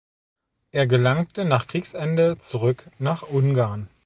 Er gelangte nach Kriegsende zurück nach Ungarn.